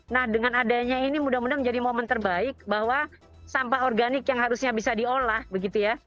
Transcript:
nah dengan adanya ini mudah mudahan menjadi momen terbaik bahwa sampah organik yang harusnya bisa diolah begitu ya